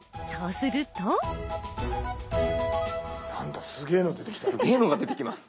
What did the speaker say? すげえの出てきた。